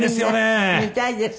見たいです。